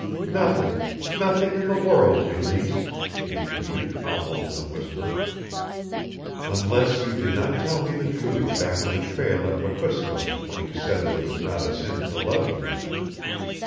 "Nothing nothing in the world, Meleese," he repeated almost in a whisper, "unless you did not tell me the truth back on the trail at Wekusko when you said that it was not a sin to love you."